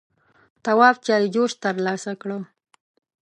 تواب چايجوشه تر لاسه کړه.